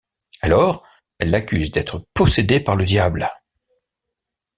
Alors, elles l'accusent d'être possédée par le diable.